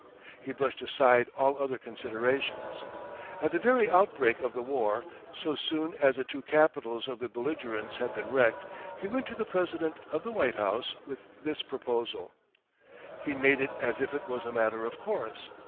He brushed aside all other considerations. At the very outbreak of the war, so soon as the two capitals of the belligerents had been wrecked, he went to the president in the White House with this proposal. He made it as if it was a matter of course.